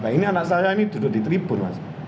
nah ini anak saya ini duduk di tribun mas